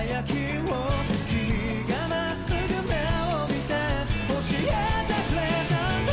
「君がまっすぐ目を見て教えてくれたんだ」